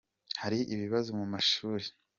Hari ibibazo mu mashuri.